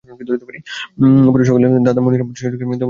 পরে সকালে দাদা মনির আহমেদ শিশুটিকে মৃত অবস্থায় দেখতে পেয়ে চিত্কার করেন।